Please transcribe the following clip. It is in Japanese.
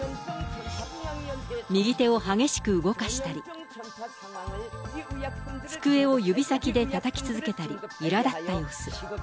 右手を激しく動かしたり、机を指先でたたき続けたり、いらだった様子。